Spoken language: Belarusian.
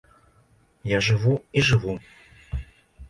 Я жыву, і жыву.